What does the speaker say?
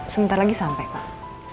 sebentar lagi sampai pa